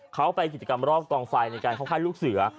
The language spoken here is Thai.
เขาไปกิจกรรมรอบกล้องไฟในการข้าวไพรด์ลูกเสือ